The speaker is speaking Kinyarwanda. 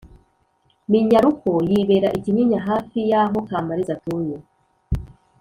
Minyaruko yibera I kinyinya hafi yaho kamariza atuye